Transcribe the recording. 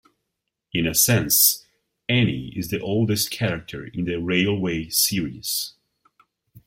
In a sense, Annie is the oldest character in the Railway Series.